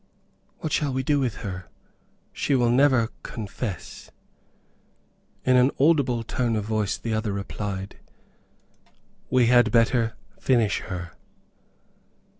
"What shall we do with her? she will never confess." In an audible tone of voice, the other replied, "We had better finish her."